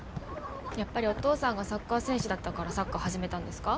やっぱりお父さんがサッカー選手だったからサッカー始めたんですか？